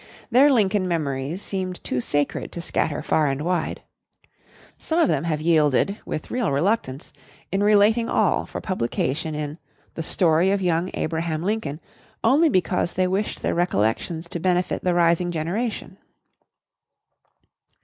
Their Lincoln memories seemed too sacred to scatter far and wide. Some of them have yielded, with real reluctance, in relating all for publication in THE STORY OF YOUNG ABRAHAM LINCOLN only because they wished their recollections to benefit the rising generation.